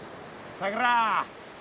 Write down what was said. さくら